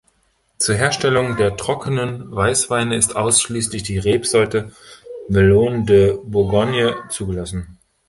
Zur Herstellung der trockenen Weißweine ist ausschließlich die Rebsorte Melon de Bourgogne zugelassen.